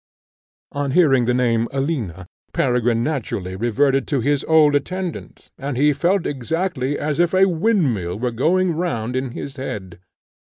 On hearing the name Alina, Peregrine naturally reverted to his old attendant, and he felt exactly as if a wind mill were going round in his head.